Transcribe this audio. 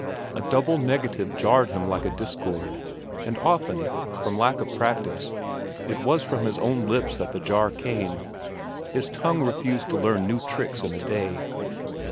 A double negative jarred him like a discord, and often, from lack of practice, it was from his own lips that the jar came. His tongue refused to learn new tricks in a day.